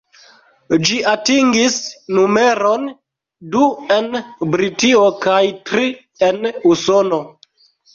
Ĝi atingis numeron du en Britio, kaj tri en Usono.